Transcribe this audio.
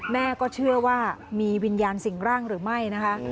แม่ก็เชื่อว่ามีวิญญาณสิ่งร่างหรือไม่นะคะ